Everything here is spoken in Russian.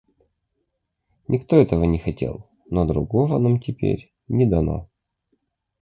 Никто этого не хотел, но другого нам теперь не дано.